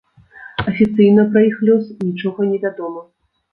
Афіцыйна пра іх лёс нічога невядома.